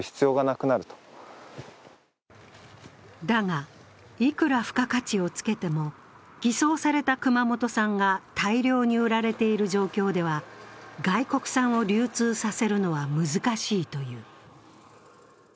だが、いくら付加価値をつけても偽装された熊本産が大量に売られている状況では外国産を流通させるのは難しいという。